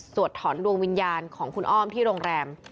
ถอนดวงวิญญาณของคุณอ้อมที่โรงแรม